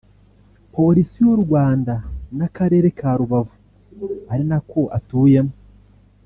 Polisi y’u Rwanda n’Akarere ka Rubavu ari nako atuyemo